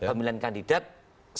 pemilihan kandidat ya